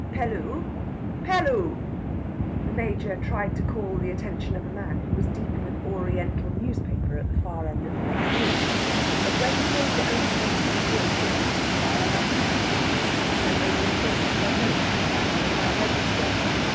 Pelloo!... Pelloo!..." The Major tried to call the attention of a man who was deep in an Oriental newspaper at the far end of the next room. But when the Major overstrains his voice, it misses fire like a costermonger's, and only a falsetto note comes on a high register.